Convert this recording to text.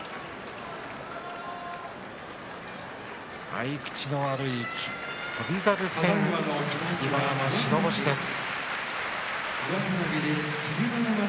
合い口の悪い翔猿戦白星です。